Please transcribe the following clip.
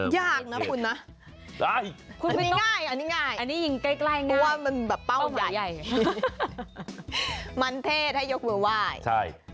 ยากนะคุณนะอันนี้ง่ายตัวมันแบบเป้าใหญ่มันเทศให้ยกเวลาไหว่